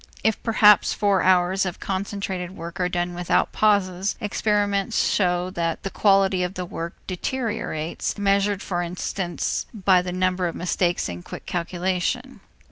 If perhaps four hours of concentrated work are done without pauses, experiment shows that the quality of the work deteriorates, measured for instance by the number of mistakes in quick calculation.